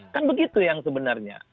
kan begitu yang sebenarnya